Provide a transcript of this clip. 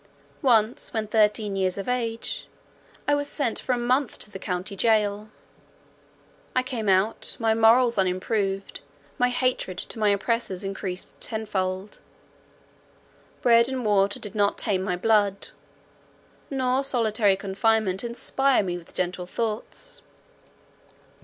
Once, when thirteen years of age, I was sent for a month to the county jail. I came out, my morals unimproved, my hatred to my oppressors encreased tenfold. Bread and water did not tame my blood, nor solitary confinement inspire me with gentle thoughts.